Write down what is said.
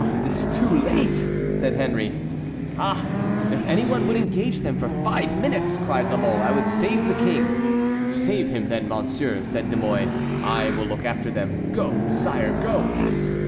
"It is too late," said Henry. "Ah! if any one would only engage them for five minutes," cried La Mole, "I would save the king." "Save him, then, monsieur," said De Mouy; "I will look after them. Go, sire, go."